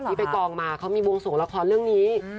ไปกองมาเขามีวงสวงละครเรื่องนี้